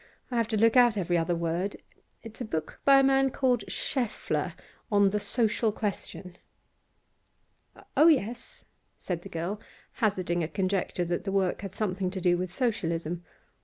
I have to look out every other word. It's a book by a man called Schaeffle, on the "Social Question."' 'Oh yes,' said the girl, hazarding a conjecture that the work had something to do with Socialism.